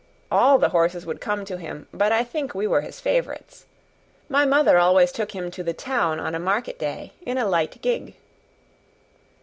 All the horses would come to him, but I think we were his favorites. My mother always took him to the town on a market day in a light gig.